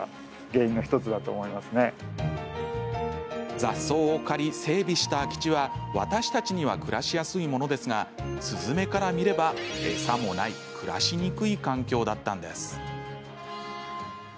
雑草を刈り、整備した空き地は私たちには暮らしやすいものですがスズメから見れば、餌もない暮らしにくい環境だったんです。